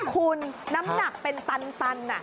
คุณน้ำหนักเป็นตัน